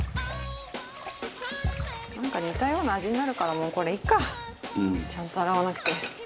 なんか似たような味になるからもうこれいいかちゃんと洗わなくて。